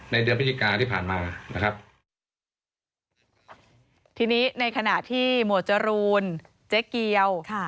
เดือนพฤศจิกาที่ผ่านมานะครับทีนี้ในขณะที่หมวดจรูนเจ๊เกียวค่ะ